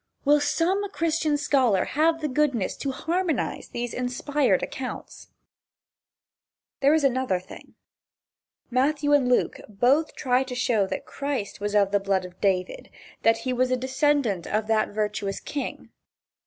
Will some Christian scholar have the goodness to harmonize these "inspired" accounts? There is another thing. Matthew and Luke both try to show that Christ was of the blood of David, that he was a descendant of that virtuous king.